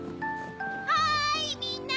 おいみんな！